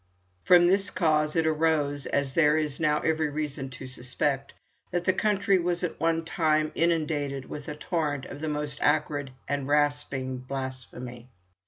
From this cause it arose, as there is now every reason to suspect, that the country was at one time inundated with a torrent of the most acrid and rasping blasphemy.